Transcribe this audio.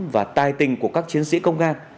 và tai tình của các chiến sĩ công an